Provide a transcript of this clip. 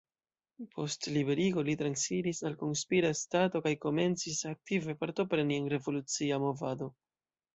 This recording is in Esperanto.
Post liberigo li transiris al konspira stato kaj komencis aktive partopreni en revolucia movado.